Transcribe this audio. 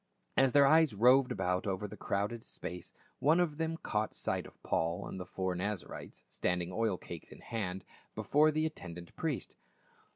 As their eyes roved about over the crowded space one of them caught sight of Paul and the four Nazarites standing oil cakes in hand before the attend ant priest.